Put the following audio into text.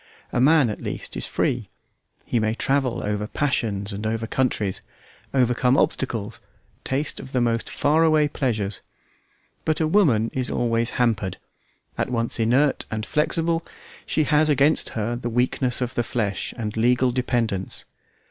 A man, at least, is free; he may travel over passions and over countries, overcome obstacles, taste of the most far away pleasures. But a woman is always hampered. At once inert and flexible, she has against her the weakness of the flesh and legal dependence.